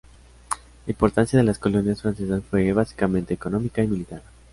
La importancia de las colonias francesas fue básicamente económica y militar.